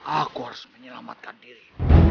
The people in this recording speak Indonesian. aku harus menyelamatkan diri